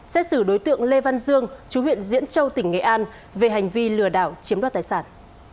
xét xử đối tượng lê văn dương chú huyện diễn châu tỉnh nghệ an về hành vi lừa đảo chiếm đoạt tài sản